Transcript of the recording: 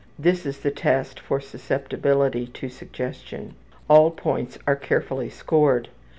This is the test for susceptibility to suggestion. All points are carefully scored.